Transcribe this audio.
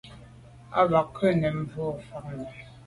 O ba kwa’ mènmebwô fan nà.